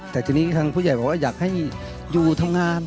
แต่ทีนี้ทางผู้ใหญ่บอกว่าอยากให้อยู่ทำงาน